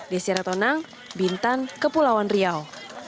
desyara tonang bintan kepulauan riau